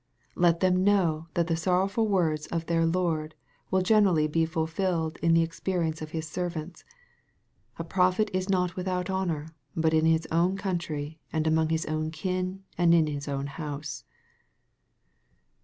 Let them know that the sorrowful words of their Lord will gener rally be fulfilled in the experience of His servants, " a prophet is not without honor, but in his own country, and among his own kin, and in his own house."